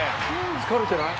疲れてない？